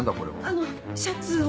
あのシャツを。